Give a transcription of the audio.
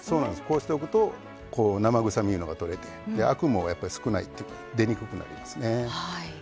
こうしておくと生臭みが取れてアクも少ないっていうか出にくくなりますね。